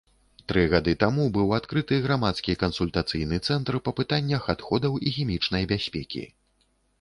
Тры гады таму быў адкрыты грамадскі кансультацыйны цэнтр па пытаннях адходаў і хімічнай бяспекі.